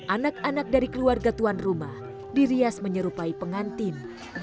anak anak dari keluarga tuan rumah dirias menyerupai pengantin